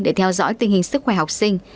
để theo dõi tình hình sức khỏe học sinh